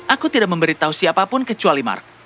aku tidak memberi tahu siapapun kecuali mark